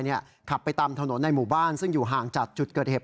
ขับไปตามถนนในหมู่บ้านซึ่งอยู่ห่างจากจุดเกิดเหตุ